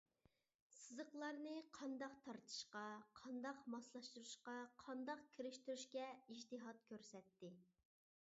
سىزىقلارنى قانداق تارتىشقا، قانداق ماسلاشتۇرۇشقا، قانداق كىرىشتۈرۈشكە ئىجتىھات كۆرسەتتى.